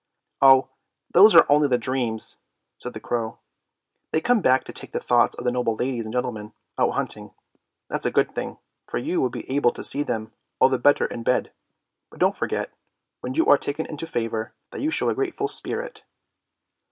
"Oh, those are only the dreams! " said the crow; "they come to take the thoughts of the noble ladies and gentlemen out hunting. That's a good thing, for you will be able to see them all the better in bed. But don't forget, when you are taken into favour, that you show a grateful spirit."